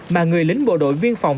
mà người lính bộ đội viên phòng